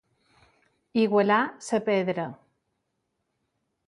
Igualar la pedra.